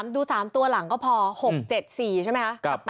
ดูสามตัวหลังก็พอ๖๗๔ใช่ไหมคะกับ๘๑๔